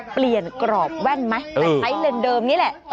เปลี่ยนกรอบแว่นไหมใช้เลนเดิมนี้แหละ